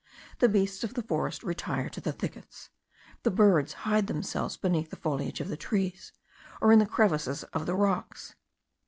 The beasts of the forests retire to the thickets; the birds hide themselves beneath the foliage of the trees, or in the crevices of the rocks.